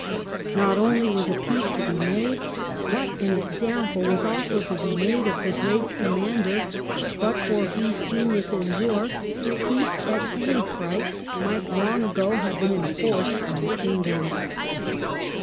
Not only was a peace to be made, but an example was also to be made of the great commander but for whose genius in war peace at any price might long ago have been enforced on England.